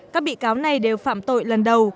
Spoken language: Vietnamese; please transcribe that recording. các bị cáo này đều phạm tội lần đầu